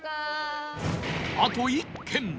あと１軒